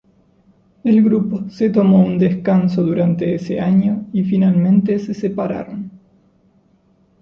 El grupo se tomó un descanso durante ese año y finalmente se separaron.